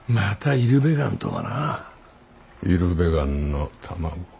イルベガンの卵。